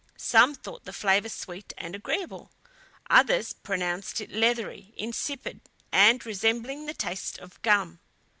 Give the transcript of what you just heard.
Some thought the flavor sweet and agreeable, others pronounced it leathery, insipid, and resembling the taste of gum.